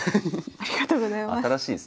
ありがとうございます。